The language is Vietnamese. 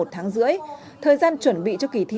một tháng rưỡi thời gian chuẩn bị cho kỳ thi